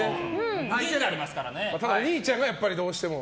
ただ、お兄ちゃんがどうしても。